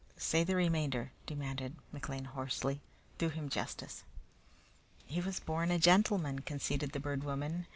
"Say the remainder," demanded McLean hoarsely. "Do him justice." "He was born a gentleman," conceded the Bird Woman.